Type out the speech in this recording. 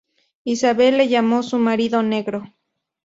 Isabel le llamó su ‘marido negro'.